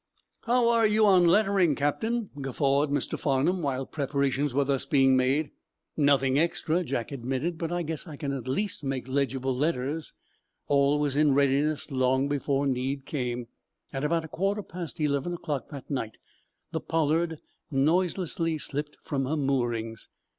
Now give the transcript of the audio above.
"How are you on lettering, Captain?" guffawed Mr. Farnum, while preparations were thus being made. "Nothing extra," Jack admitted. "But I guess I can at least make legible letters." All was in readiness long before need came. At about quarter past eleven o'clock that night the "Pollard" noiselessly slipped from her moorings.